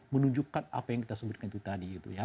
menunjukkan apa yang kita sebutkan itu tadi